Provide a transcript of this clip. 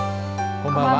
こんばんは。